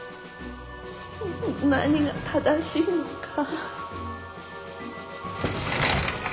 何が正しいのか。